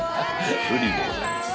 るりでございます。